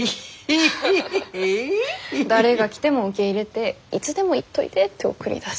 誰が来ても受け入れていつでも行っといでって送り出す。